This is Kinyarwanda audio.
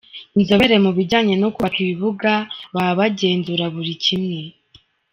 Inzobere mu bijyanye no kubaka ibibuga baba bagenzura buri kimwe.